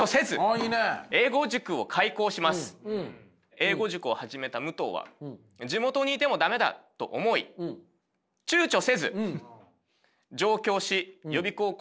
英語塾を始めた武藤は地元にいても駄目だと思い躊躇せず上京し予備校講師になります。